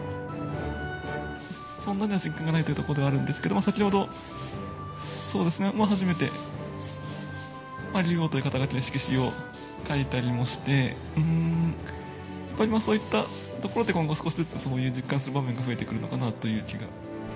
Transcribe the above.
そんなには実感がないというところではあるんですけれども、先ほど、そうですね、初めて竜王という肩書の色紙を書いたりもして、やっぱり、そういったところで今後、少しずつそういう実感する場面が増えてくるのかなという気が。